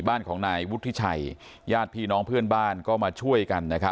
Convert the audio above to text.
บ้านของนายวุฒิชัยญาติพี่น้องเพื่อนบ้านก็มาช่วยกัน